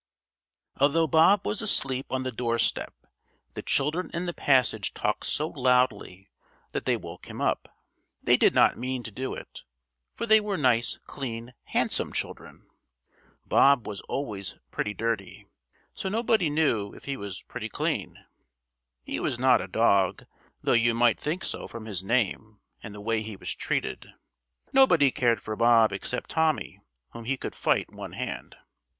Although Bob was asleep on the doorstep the children in the passage talked so loudly that they woke him up. They did not mean to do it, for they were nice, clean, handsome children. Bob was always pretty dirty, so nobody knew if he was pretty clean. He was not a dog, though you might think so from his name and the way he was treated. Nobody cared for Bob except Tommy whom he could fight one hand.